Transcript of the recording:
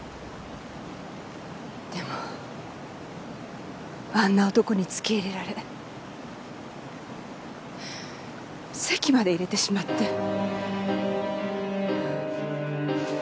でもあんな男につけ入られ籍まで入れてしまって。